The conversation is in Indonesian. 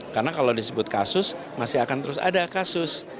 karena kalau disebut kasus masih akan terus ada kasus